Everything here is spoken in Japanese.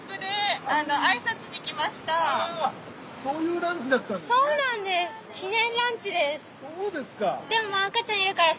そういうランチだったんですね。